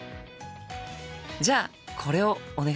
じゃあこれをお願いします。